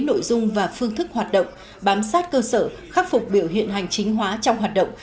nội dung và phương thức hoạt động bám sát cơ sở khắc phục biểu hiện hành chính hóa trong hoạt động